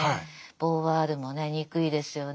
ボーヴォワールもねにくいですよね。